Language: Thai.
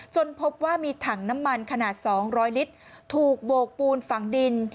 พบว่ามีถังน้ำมันขนาด๒๐๐ลิตรถูกโบกปูนฝั่งดิน